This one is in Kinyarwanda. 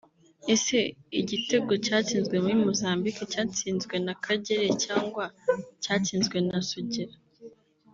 Ese igitego cyatsinzwe muri Mozambique cyatsinzwe na Kagere cyangwa cyatsinzwe na Sugira